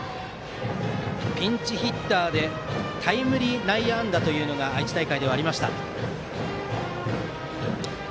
ピンチヒッターでタイムリー内野安打が愛知大会でありました。